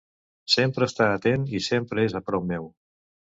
Sempre està atent i sempre és a prop meu.